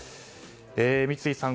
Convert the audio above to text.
三井さん